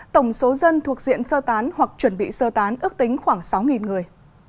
tổng số dân thuộc diện sơ tán hoặc chuẩn bị sơ tán ước tính khoảng sáu người